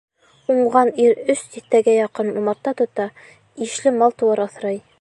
Уңған ир өс тиҫтәгә яҡын умарта тота, ишле мал-тыуар аҫрай.